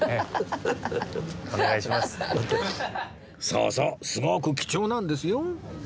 そうそうすごく貴重なんですよ